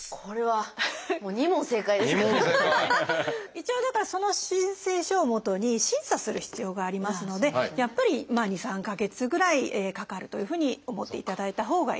一応だからその申請書をもとに審査する必要がありますのでやっぱり２３か月ぐらいかかるというふうに思っていただいたほうがいいです。